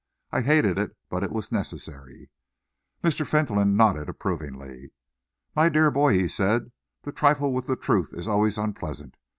I hated it, but it was necessary." Mr. Fentolin nodded approvingly. "My dear boy," he said, "to trifle with the truth is always unpleasant.